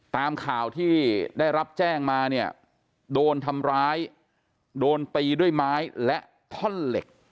ตามข่าวที่ได้รับแจ้งมาเนี่ยโดนทำร้ายโดนตีด้วยไม้และท่อนเหล็ก